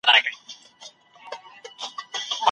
که خلګ علم ترلاسه کړي ټولنه به پرمختګ وکړي.